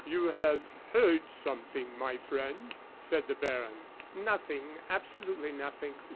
"You have heard something, my friend," said the baron. "Nothing, absolutely nothing."